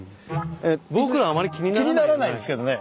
僕らあまり気にならないよね。